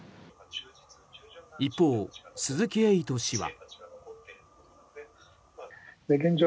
一方、鈴木エイト氏は。